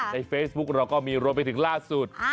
ในเฟซบุ๊กเราก็มีรวมไปถึงล่าสุด